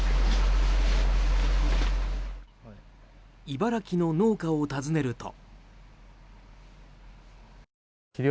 茨城の農家を訪ねると。